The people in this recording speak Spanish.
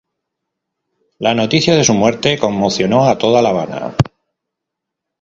La noticia de su muerte conmocionó a toda La Habana.